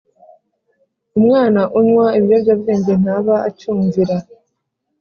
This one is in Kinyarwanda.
. Umwana unywa ibiyobyabwenge ntaba acyumvira